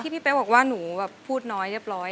พี่เป๊กบอกว่าหนูแบบพูดน้อยเรียบร้อย